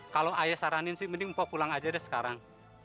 kalau ayah saranin sih mending empat pulang aja deh sekarang